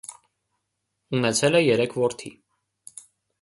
Ունեցել է երեք որդի։